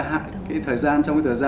cái thời gian trong cái thời gian